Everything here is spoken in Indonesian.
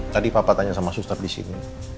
tadi papa tanya sama sustab disini